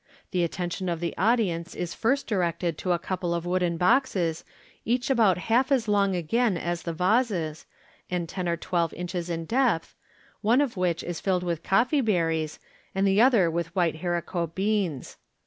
The attention of the audience is first directed to a couple of wooden boxes, each about half as long again as the vases, and ten or twelve inches in depth, one of which is filled with coffee berries, and the other with white haricot bea is.